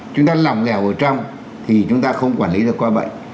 chúng ta lòng lẻo ở trong thì chúng ta không quản lý được qua bệnh